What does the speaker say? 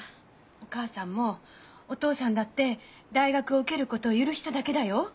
お母さんもお父さんだって大学を受けることを許しただけよ。